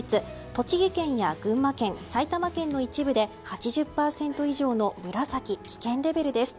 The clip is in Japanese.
栃木県や群馬県、埼玉県の一部で８０％以上の紫危険レベルです。